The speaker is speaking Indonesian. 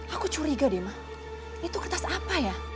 aku curiga deh ma itu kertas apa ya